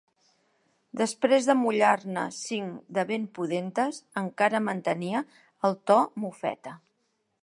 Després d'amollar-ne cinc de ben pudentes, encara mantenia el to mofeta.